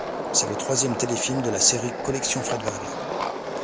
C'est le troisième téléfilm de la série Collection Fred Vargas.